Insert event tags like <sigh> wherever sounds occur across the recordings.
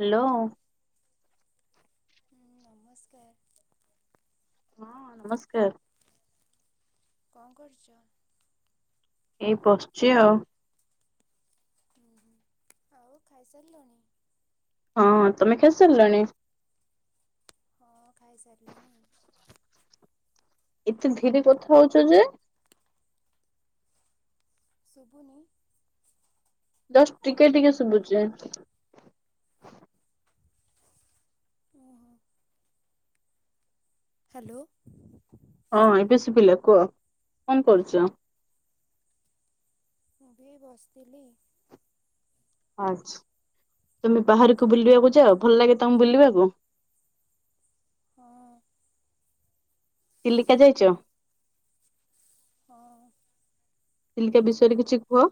Hello. ହୁଁ ନମସ୍କାର! ନମସ୍କାର! କଣ କରୁଛ? ଏଇ ବସିଛି ଆଉ। ହୁଁ, ହୁଁ ଆଉ ଖାଇସାରିଲଣି? ହଁ, ତମେ ଖାଇ ସାରିଲଣି? ହଁ, ଖାଇସାରିଲିଣି। ଏତେ ଧୀରେ କଥା ହଉଛ ଯେ? ଶଭୁନି? ଜଷ୍ଟ ଟିକେ ଟିକେ ଶୁଭୁଛି। ଓହୋ ହ୍ୟାଲୋ। ହଁ, ଏବେ ସୁବିଲା କୁହ। କଣ କରୁଛ? ମୁଁ ବି ବସିଥିଲି। ଆଛ୍, ତମେ ବାହାରକୁ ଆଉ ତ ବୁଲିବାକୁ ଯାଅ? ଭଲ ଲାଗେ ତମୁ ବୁଲିବାକୁ? ହଁ। ଚିଲିକା ଯାଇଚ? ହଁ। ଚିଲିକା ବିଷୟରେ କିଛି କୁହ?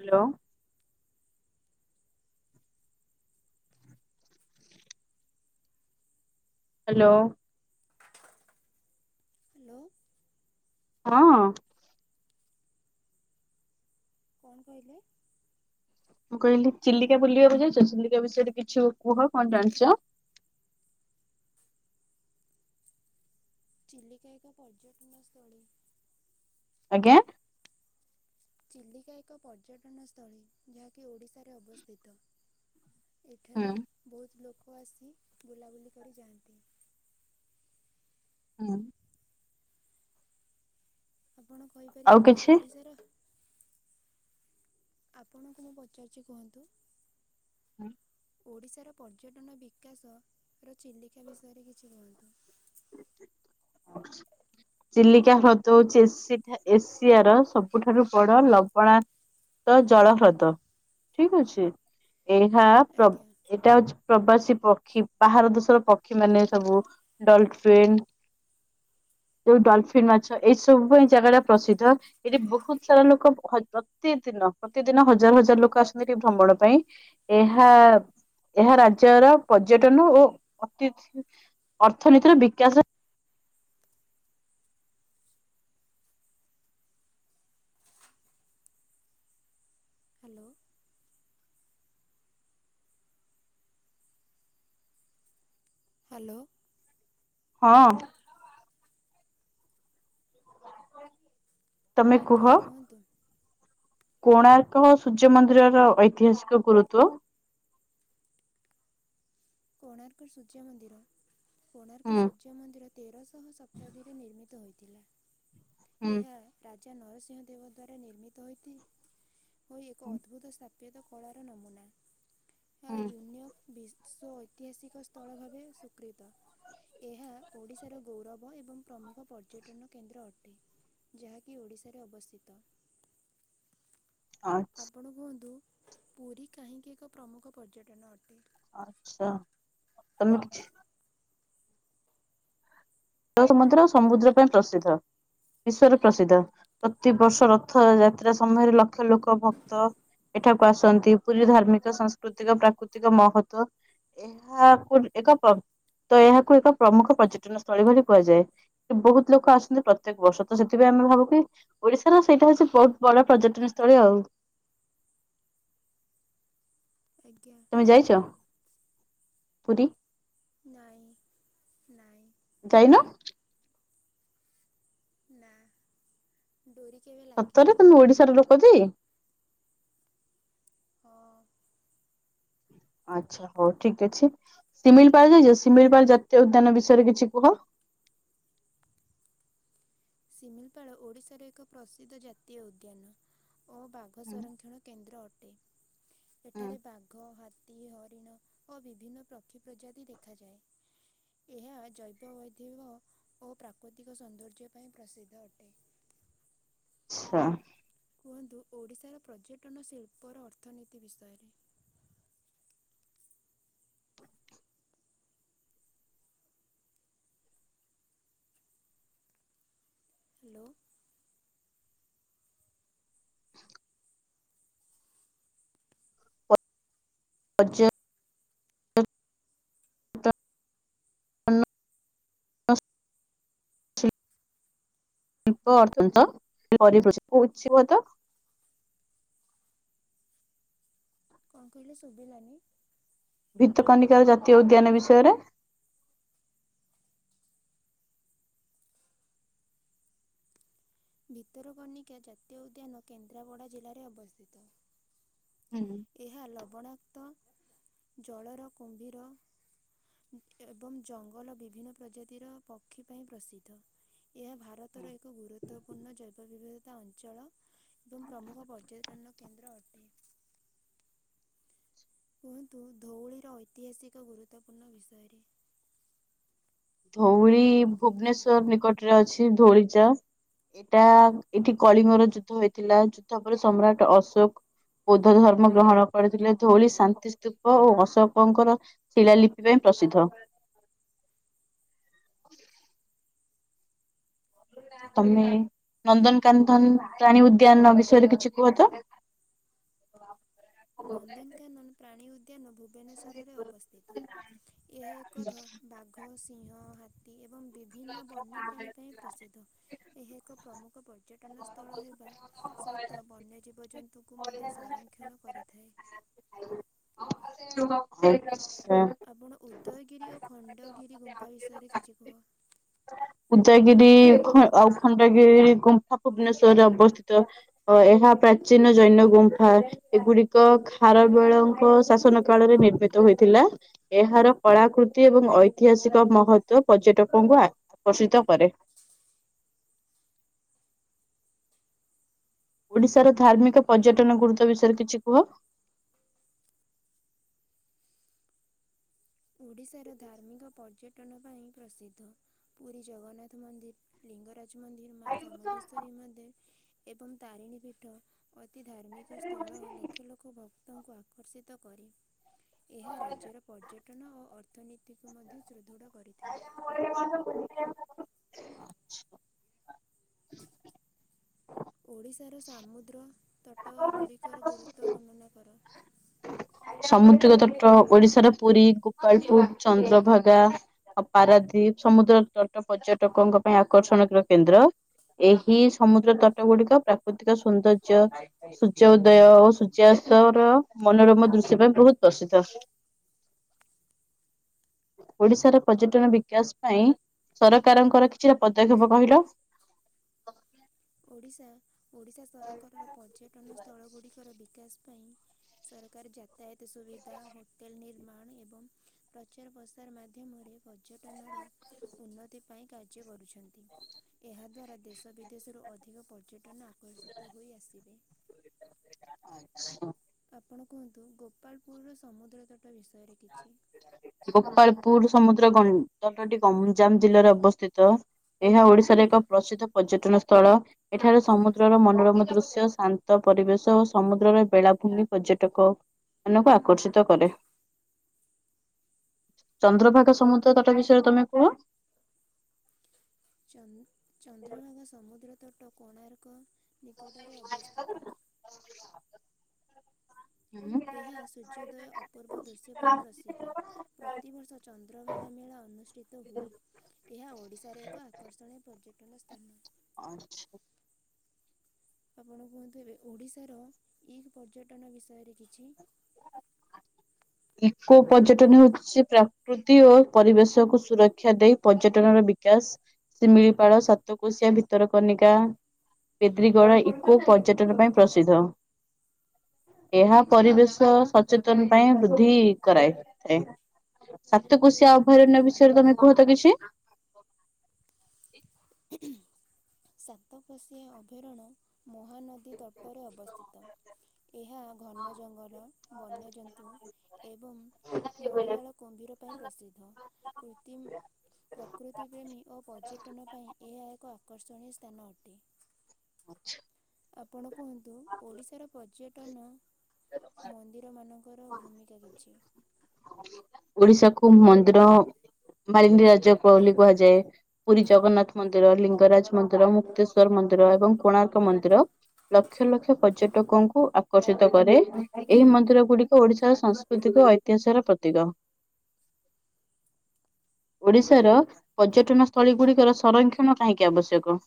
ହ୍ୟାଲୋ। ହ୍ୟାଲୋ। ହ୍ୟାଲୋ। ହଁ। କଣ କହିଲେ? ମୁଁ କହିଲି, ଚିଲିକା ବୁଲିବାକୁ ଯାଇଛ? ଚିଲିକା ବିଷୟରେ କିଛି କୁହ, କଣ ଜାଣିଛ? ଚିଲିକା ଏକ ପର୍ଯ୍ୟଟନ ସ୍ଥଳୀ। ଆଜ୍ଞା। ଚିଲିକା ଏକ ପର୍ଯ୍ୟଟନସ୍ଥଳୀ। ଯାହାକି ଓଡ଼ିଶାରେ ଅବସ୍ଥିତ। ହୁଁ ଏଠାରେ ବହୁତ ଲୋକ ଆସି, ବୁଲାବୁଲି କରି ଯାଆନ୍ତି। ହୁଁ। ଆପଣ ଆଉ କହିପାରିବେ କି, କିଛି? ଓଡିଶାର ଆପଣଙ୍କୁ ମୁଁ ପଚାରୁଛି କୁହନ୍ତୁ? ହୁଁ। ଓଡ଼ିଶାର ପର୍ଯ୍ୟଟନ ବିକାଶ, ର ଚିଲିକା ବିଷୟରେ କିଛି କୁହନ୍ତୁ? <inaudible> ଚିଲିକା ହ୍ରଦ ହଉଛି ଏସି ଏସିଆର, ସବୁଠାରୁ ବଡ ଲବଣା ତ ଜଳ ହ୍ରଦ। ଠିକ୍ ଅଛି। ଏହା ପ୍ରଗ୍ ଆଜ୍ଞା ଏଟା ହଉଛି ପ୍ରବାସୀ ପକ୍ଷୀ, ବାହାର ଦେଶର ପକ୍ଷୀ ମାନେ ସବୁ, ଡଲ୍ଫିନ୍ ଯୋଉ ଡଲଫିନ୍ ମାଛ ଏଇ ସବୁ ପାଇଁ ଜାଗା ଟା ପ୍ରସିଦ୍ଧ। ଏଠି ବହୁତ ସାରା ଲୋକ ପ୍ରତିଦିନ ପ୍ରତିଦିନ ହଜାର ହଜାର ଲୋକ ଆସନ୍ତି ଏଠି ଭ୍ରମଣ ପାଇଁ। ଏହା ଏହା ରାଜ୍ୟର ପର୍ଯ୍ୟଟନ ଓ ଅତି ଅର୍ଥନୀତିର ବିକାଶ ହ୍ୟାଲୋ। ହ୍ୟାଲୋ। ହଁ। ତମେ କୁହ ଆଜ୍ଞା କୁହନ୍ତୁ? କୋଣାର୍କ ସୂର୍ଯ୍ୟ ମନ୍ଦିରର ଐତିହାସିକ ଗୁରୁତ୍ଵ। କୋଣାର୍କ ସୂର୍ଯ୍ୟ ମନ୍ଦିର କୋଣାର୍କ ହୁଁ ସୁଯ୍ୟ ର୍ଯ୍ୟ ମନ୍ଦିର ତେରଶହ ଶତାବ୍ଦୀରେ ନିର୍ମିତ ହୋଇଥିଲା ହୁଁ ଏହା ରାଜା ନରସିଂହ ଦେବ ଦ୍ଵାରା ନିର୍ମିତ ହୋଇଥାଏ ହୋଇ ଏକ ଅଦ୍ଭୁତ ସ୍ଥାପ ଏଇତ କଳାର ନମୁନା ହ ହୁଁ ୟୁ ନିଅକ୍ ବିଶ୍ଵ ଐ ଐତିହାସିକ ସ୍ଥଳ ଭାବେ ସ୍ୱୀକୃତ। ଏହା ଓଡ଼ିଶାର ଗୌରବ ଏବଂ ପ୍ରମୁଖ ପର୍ଯ୍ୟଟନ କେନ୍ଦ୍ର ଅଟେ। ଯାହାକି ଓଡ଼ିଶାରେ ଅବସ୍ଥିତ। ହଁ ଆପଣ କୁହନ୍ତୁ ପୁରୀ କାହିଁକି ଏକ ପ୍ରମୁଖ ପର୍ଯ୍ୟଟନ ଅଟେ? ଆଛା ତମେ ଜଳ ସମୁଦ୍ର ସମୁଦ୍ର ପାଇଁ ପ୍ରସିଦ୍ଧ। ବିଶ୍ଵର ପ୍ରସିଦ୍ଧ ପ୍ରତିବର୍ଷ ରଥ ଯାତ୍ରା ସମୟରେ ଲକ୍ଷ ଲୋକ ଭକ୍ତ ଏଠାକୁ ଆସନ୍ତି ପୁରୀ ଧାର୍ମିକ ସାଂସ୍କୃତିକ ପ୍ରାକୃତିକ ମହତ୍ତ୍ୱ। ଏହାକୁ ଏକ ତ ଏହାକୁ ଏକ ପ୍ରମୁଖ ପର୍ଯ୍ୟଟନ ସ୍ଥଳୀ ବୋଲି କୁହାଯାଏ। ବହୁତ ଲୋକ ଆସନ୍ତି ପ୍ରତ୍ୟେକ ବର୍ଷ ତ ସେଥିପାଇଁ ଆମେ ଭାବୁ କିି ଓଡିଶାର ସେଇଟା ହଉଛି ବହୁତ ବଡ ପର୍ଯ୍ୟଟନ ସ୍ଥଳୀ ଆଉ। ଆଜ୍ଞା। ତମେ ଯାଇଛ ପୁରୀ? ନାଇଁ ନାଇଁ। ଯାଇନ? ନା। ଡୋରି କେବେ ସତରେ ଲାଗିନି ତମେ ଓଡିଶାର ଲୋକ ଟି? ହଁ। ଆଚ୍ଛା ହଉ ଠିକ ଅଛି, ଶିମିଳିପାଳ ଯାଇଛ ଶିମିଳିପାଳ ଜାତୀୟ ଉଦ୍ୟାନ ବିଷୟରେ କିଛି କୁହ? ଶିମିଳିପାଳ ଓଡ଼ିଶାର ଏକ ପ୍ରସିଦ୍ଧ ଜାତୀୟ ଉଦ୍ୟାନ ଓ ବାଗ ବାଘ ସଂରକ୍ଷଣ କେନ୍ଦ୍ର ଅଟେ। ଏଠାରେ ବାଘ, ହାତ ତୀ, ହରିଣ ଓ ବିଭିନ୍ନ ପ୍ରକ୍ଷୀ ପ୍ରଜାତି ଦେଖାଯାଏ। ଏହା ଜୈବ ବୈଧବ ଓ ପ୍ରାକୃତିକ ସୌନ୍ଦର୍ଯ୍ୟ ପାଇଁ ପ୍ରସିଦ୍ଧ ଅଟେ। ଆଛା। କୁହନ୍ତୁ ଓଡ଼ିଶାର ପର୍ଯ୍ୟଟନ ଶିଳ୍ପର ଅର୍ଥନୀତି ବିଷୟରେ? ହ୍ୟାଲୋ। ପର୍ଯ୍ୟ <inaudible> <inaudible> କଣ କହିଲେ ଶୁଭିଲାନି? ଭିତକନିକାର ଜାତୀୟ ଉଦ୍ୟାନ ବିଷୟରେ? ଭିତରକନିକା ଜାତୀୟ ଉଦ୍ୟାନ କେନ୍ଦ୍ରାପଡ଼ା ଜିଲ୍ଲାରେ ଅବସ୍ଥିତ। ହୁଁ। ଏହା ଲବଣାକ୍ତ ଜଳର କୁମ୍ଭୀର। ଏବଂ ଜଙ୍ଗଲ ବିଭିନ୍ନ ପ୍ରଜାତିର ପକ୍ଷୀ ପାଇଁ ପ୍ରସିଦ୍ଧ। ଏହା ଭାରତର ଏକ ଗୁରୁତ୍ୱପୂର୍ଣ୍ଣ ଜୈବ ବିବିଧତା ଅଞ୍ଚଳ। ଏବଂ ପ୍ରମୁଖ ପର୍ଯ୍ୟଟନ କେନ୍ଦ୍ର ଅଟେ। କୁହନ୍ତୁ ଧଉଳିର ଐତିହାସିକ ଗୁରୁତ୍ୱପୂର୍ଣ୍ଣ ବିଷୟରେ। ଧଉଳି ଭୁବନେଶ୍ଵର ନିକଟରେ ଅଛି ଧଉଳିଚା। ଏଇଟା ଏଠି କଳିଙ୍ଗର ଯୁଦ୍ଧ ହେଇଥିଲା ଯୁଦ୍ଧ ପରେ ସମ୍ରାଟ ଅଶୋକ। ବୌଦ୍ଧ ଧର୍ମ ଗ୍ରହଣ କରିଥିଲେ ଧଉଳି ଶାନ୍ତିସ୍ତୂପ ଓ ଅଶୋକଙ୍କର। ଶିଳାଲିିପି ପାଇଁ ପ୍ରସିଦ୍ଧ। <inaudible> ତମେ ନନ୍ଦନକାନ୍ଦନ୍ ପ୍ରାଣୀ ଉଦ୍ୟାନ ବିଷୟରେ କିଛି କୁହ ତ। ନନ୍ଦନକାନନ୍ ପ୍ରାଣୀ ଉଦ୍ୟାନ କୁ। ଭୁବନେସ୍ୱରରେ ଅବସ୍ଥିତ ଏହା ଏକ ଧ ବାଘ, ସିଂହ, ହା ଏବଂ ବିଭିନ୍ନ ବନ୍ୟପ୍ରାଣୀ ପାଇଁ ପ୍ରସିଦ୍ଧ। ଏହା ଏକ ପ୍ରମୁଖ ପର୍ଯ୍ୟଟନ ସ୍ଥଳ ହେବା ସହିତ ବନ୍ୟ ଜୀବଜନ୍ତୁ। ଙ୍କୁ ମଧ୍ୟ ସଂରକ୍ଷଣ କରିଥାଏ। ହ <unintelligible> <inaudible> ଆପଣ ଉଦୟଗିରି ଓ ଖଣ୍ଡଗିରି ଗୁମ୍ଫା ବିଷୟରେ କିଛି କୁହ। ଉଦୟଗିରି ଆଉ ଖଣ୍ଡଗିରି ଗୁମ୍ଫା ଭୁବନେଶ୍ଵରରେ ଅବସ୍ଥିତ। ଅ ଏହା ପ୍ରାଚୀନ ଜୈନ ଗୁମ୍ଫା। ଏଗୁଡିକ ଖାରବେଳଙ୍କ ଶାସନ କାଳରେ ନିର୍ମିତ ହୋଇଥିଲା। ଏହାର କଳାକୃତି ଏବଂ ଐତିହାସିକ ମହତ୍ୱ ପର୍ଯ୍ୟଟକଙ୍କୁ ଆକର୍ଷିତ କରେ। ଓଡିଶାର ଧାର୍ମିକ ପର୍ଯ୍ୟଟନ ଗୁରୁତ୍ୱ ବିଷୟରେ କିଛି କୁହ। ଓଡ଼ିଶାର ଧାର୍ମିକ ପର୍ଯ୍ୟଟନ ପାଇଁ ପ୍ରସିଦ୍ଧ ପୁରୀ ଜଗନ୍ନାଥ ମନ୍ଦିର। ଲିଙ୍ଗରାଜ ମନ୍ଦିର ମା ସମଲେଶ୍ଵରୀ ମନ୍ଦିର ଏବଂ ତାରିଣୀ ପୀଠ। ଅତି ଧାର୍ମିକ ସ୍ଥଳ ଲକ୍ଷେ ଲୋକ ଭକ୍ତଙ୍କୁ ଆକର୍ଷିତ କ କରି। ଏହା ରାଜ୍ୟର ପର୍ଯ୍ୟଟନ ଓ ଅର୍ଥନୀତିକୁ ମଧ୍ୟ ସୁଦୃଢ କରିଥାଏ। ବ ମ ବ <unintelligible> <inaudible> ଓଡ଼ିଶାର ସାମୁଦ୍ର ତଟ ଗୁଡ଼ିକର ଗୁରୁତ୍ୱ ବର୍ଣ୍ଣନା କର। ସମୁଦ୍ରିକ ତଟ ଓଡିଶାର ପୁରୀ ଗୋପାଳପୁର ଚନ୍ଦ୍ରଭାଗା। ଆ ପାରାଦିପ୍ ସମୁଦ୍ର ତଟ ପର୍ଯ୍ୟଟକଙ୍କ ପାଇଁ ଆକର୍ଷଣର କେନ୍ଦ୍ର। ଏହି ସମୁଦ୍ର ତଟ ଗୁଡିକ ପ୍ରାକୃତିକ ସୌନ୍ଦର୍ଯ୍ୟ। ସୂର୍ଯ୍ୟ ଉଦୟ ଓ ସୂର୍ଯ୍ୟାସ୍ତ ର ମନୋରମ ଦୃଶ୍ୟ ସେ ପାଇଁ ବହୁତ ପ୍ରସିଦ୍ଧ। <inaudible> ଓଡିଶାର ପର୍ଯ୍ୟଟନ ବିକାଶ ପାଇଁ ସରକାରଙ୍କର କିଛିଟା ପଦକ୍ଷେପ କହିଲ। ଓଡ଼ିଶା ଓଡ଼ିଶା ସରକାରର ପର୍ଯ୍ୟଟନ ସ୍ଥଳ ଗୁଡ଼ିକର ବିକାଶ ପାଇଁ। ସରକାର ଯାତାୟାତ ସୁବିଧା ହୋଟେଲ ନିର୍ମାଣ ଏବଂ ପ୍ରଚାର ପ୍ରସାର ମାଧ୍ୟମରେ। ପର୍ଯ୍ୟଟନର ଉନ୍ନତି ପାଇଁ କାର୍ଯ୍ୟ କରୁଛୁ। ଏହା ଦ୍ୱାରା ଦେଶ ବିଦେଶରୁ ଅଧିକ ପର୍ଯ୍ୟଟନ ଆକର୍ଷିତ ହୋଇ ଆସିବେ। <unintelligible> <inaudible> ଆପଣ କୁହନ୍ତୁ ଗୋପାଳପୁରର ସମୁଦ୍ର ତଟ ବିଷୟରେ କିଛି। ଗୋପାଳପୁର ସମୁଦ୍ର ଗଣ୍ଡଟି ଗଞ୍ଜାମ ଜିଲ୍ଲାରେ ଅବସ୍ଥିତ। ଏହା ଓଡିଶାର ଏକ ପ୍ରସିଦ୍ଧ ପର୍ଯ୍ୟଟନ ସ୍ଥଳ। ଏଠାରେ ସମୁଦ୍ରର ମନୋରମ ଦୃଶ୍ୟ ଶାନ୍ତ ପରିବେଶ ଓ ସମୁଦ୍ରର ବେଳାଭୂମି ପର୍ଯ୍ୟଟକ। ମାନଙ୍କୁ ଆକର୍ଷିତ କରେ। ଚନ୍ଦ୍ରଭାଗ ସମୁଦ୍ର ତଟ ବିଷୟରେ ତମେ କୁହ। ଚନ୍ଦ୍ରଭାଗା ସମୁଦ୍ର ତଟ କୋଣାର୍କ ନିକଟରେ ଅବସ୍ଥିତ। ଏହା ସୂର୍ଯ୍ୟୋଦୟ ଅପୂର୍ବ ଦୃଶ୍ୟ ପାଇଁ ପ୍ରସିଦ୍ଧ। ପ୍ରତିବର୍ଷ ଚନ୍ଦ୍ରଭାଗା ମେଳା ଅନୁଷ୍ଠିତ ହୁଏ ଏହା ଓଡ଼ିଶାର ଏକ ଆକର୍ଷଣୀୟ ପର୍ଯ୍ୟଟନ ସ୍ଥାନ। ଆ ଛି ଆପଣ କୁହନ୍ତୁ ଏବେ ଓଡିଶାର ଇଗ ପର୍ଯ୍ୟଟନ ବିଷୟରେ କିଛି <inaudible> ଇକୋ ପର୍ଯ୍ୟଟନ ହଉଛି ପ୍ରାକୃତି ଓ ପରିବେଶକୁ ସୁରକ୍ଷା ଦେଇ ପର୍ଯ୍ୟଟନର ବିକାଶ ଶିମିଳିପାଳ ସାତ କୋଶିଆ ଭିତର କନିକା ପେଦ୍ରିଗଡ଼ ଇକୋ ପର୍ଯ୍ୟଟନ ପାଇଁ ପ୍ରସିଦ୍ଧ। ଏହା ପରିବେଶ ସଚେତନ ପାଇଁ ବୃଦ୍ଧି କରାଇଥାଏ ସାତକୋଶିଆ ଅଭୟାରଣ୍ୟ ବିଷୟରେ ତମେ କୁହ ତ କିଛି। ସାତକୋଶିଆ ଅଭୟାରଣ୍ୟ ମହାନଦୀ ତଟରେ ଅବସ୍ଥିତ। ଏହା ଘନ ଜଙ୍ଗଲ ବନ୍ୟଜନ୍ତୁ ଏବଂ ଘଡ଼ିଆଳ କୁମ୍ଭୀର ପାଇଁ ପ୍ରସିଦ୍ଧ କୃ୍ରତିମ ପ୍ରକୃତି ପ୍ରେମୀ ଓ ପର୍ଯ୍ୟଟନ ପାଇଁ ଏହା ଏକ ଆକର୍ଷଣୀୟ ସ୍ଥାନ ଅଟେ। ଆଛା। ଆପଣ କୁହନ୍ତୁ ଓଡ଼ିଶାର ପର୍ଯ୍ୟଟନ ମନ୍ଦିର ମାନଙ୍କ ଙ୍କର ଭୂମିକା କିଛି। ଓଡିଶାକୁୁ ମନ୍ଦିର ମାଳିନୀ ରାଜ ବୋଲି କୁହାଯାଏ। ପୁରୀ ଜଗନ୍ନାଥ ମନ୍ଦିର ଲିଙ୍ଗରାଜ ମନ୍ଦିର ମୁକ୍ତେଶ୍ଵର ମନ୍ଦିର ଏବଂ କୋଣାର୍କ ମନ୍ଦିର ଲକ୍ଷ ଲକ୍ଷ ପର୍ଯ୍ୟଟକଙ୍କୁ ଆକର୍ଷିତ କରେ। ଏହି ମନ୍ଦିର ଗୁଡିକ ଓଡିଶାର ସାଂସ୍କୃତିକ ଐତିହାସର ପ୍ରତୀକ। ଓଡିଶାର ପର୍ଯ୍ୟଟନ ସ୍ଥଳୀ ଗୁଡିକର ସଂରକ୍ଷଣ କାହିଁକି ଆବଶ୍ୟକ?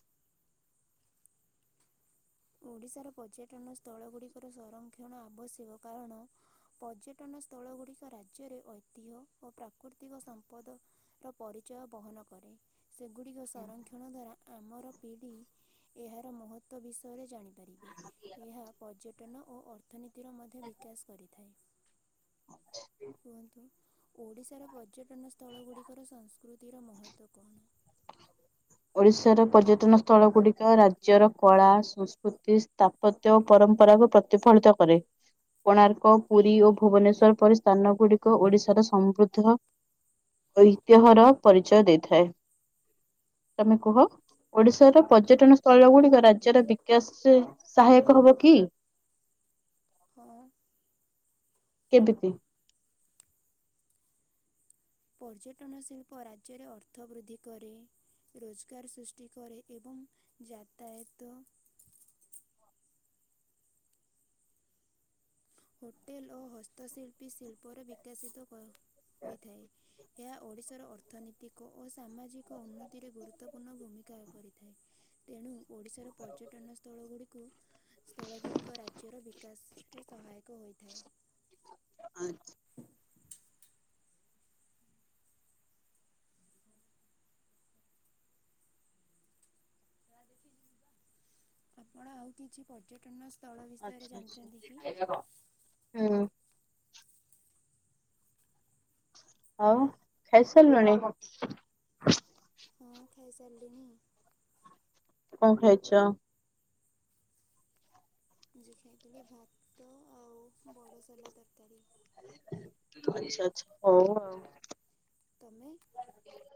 ଓଡ଼ିଶାର ପର୍ଯ୍ୟଟନ ସ୍ଥଳ ଗୁଡିକର ସଂରକ୍ଷଣ ଆବଶ୍ୟକ କାରଣ ପର୍ଯ୍ୟଟନ ସ୍ଥଳ ଗୁଡ଼ିକ ରାଜ୍ୟରେ ଐତିହ୍ୟ ଓ ପ୍ରାକୃତିକ ସମ୍ପଦ ର ପରିଚୟ ବହନ କରେ। ସେଗୁଡ଼ିକ ସଂରକ୍ଷଣ ଦ୍ୱାରା ଆମର ପିଢ଼ି ଏହାର ମହତ୍ତ୍ଵ ବିଷୟରେ ଜାଣି ଏହା ପର୍ଯ୍ୟଟନ ଓ ଅର୍ଥନୀତିର ମଧ୍ୟ ବିକାଶ କରିଥାଏ। କୁହନ୍ତୁ? ଓଡ଼ିଶାର ପର୍ଯ୍ୟଟନ ସ୍ଥଳ ଗୁଡ଼ିକର ସଂସ୍କୃତିର ମହତ୍ଵ କଣ? ଓଡ଼ିଶାର ପର୍ଯ୍ୟଟନ ସ୍ଥଳ ଗୁଡିକ ରାଜ୍ୟର କଳା ସଂସ୍କୃତି ସ୍ତା ପ୍ରତ ପରମ୍ପରାକୁ ପ୍ରତିଫଳିତ କରେ। କୋଣାର୍କ ପୁରୀ ଓ ଭୁବନେଶ୍ୱର ପରି ସ୍ଥାନ ଗୁଡିକ ଓଡିଶାର ସମୃଦ୍ଧ ଐତିହ୍ୟର ପରିଚୟ ଦେଇଥାଏ। ତମେ କୁହ? ଓଡିଶାର ପର୍ଯ୍ୟଟନ ସ୍ଥଳ ଗୁଡିକ ରାଜ୍ୟର ବିକାଶରେ ସହାୟକ ହବ କି? ହଁ। କେମିତି? ପର୍ଯ୍ୟଟନ ଶିଳ୍ପ ରାଜ୍ୟରେ ଅର୍ଥ ବୃଦ୍ଧି କରେ। ରୋଜଗାର ସୃଷ୍ଟି କ ଏବଂ ଯାତାୟାତ- ହୋଟେଲ ଓ ହସ୍ତଶିଳ୍ପୀ ଶିଳ୍ପରେ ବିକଶିତ ହୋଇଥାଏ ଏହା ଓଡିଶାର ଅର୍ଥନୈତିକ ଓ ସାମାଜିକ ଉନ୍ନତିରେ ଗୁରୁତ୍ୱପୂର୍ଣ୍ଣ ଭୂମିକା କରିଥାଏ। ତେଣୁ ଓଡିଶାର ପର୍ଯ୍ୟଟନ ସ୍ଥଳ ଗୁଡିକୁ ସ୍ଥଳ ଗୁଡିକ ରାଜ୍ୟର ବିକାଶ ରେ ସହାୟକ ହୋଇଥାଏ। ଆଚ୍ଛା। ଦେଖ ଆପଣ ଆଉ କିଛି ପର୍ଯ୍ୟଟନ ସ୍ଥଳ ବିଷୟରେ ଆଚ୍ଛା। ଜାଣିଛନ୍ତି କି? ହୁଁ। ଆଉ ଖାଇ ସାରିଲୁଣି? ହଁ ଖାଇସାରିଲିଣି। କଣ ଖାଇଛ? ମୁ ଆଜି ଖାଇଥିଲି ଭାତ ଆଉ ବଡ଼ ସୋଲା ତରକାରୀ। ଆଚ୍ଛା ଆଚଛା ପଳେଇବ ଆଉ। ତମେ?